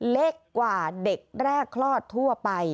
เล็กกว่าเด็กแรกคลอดทั่วไป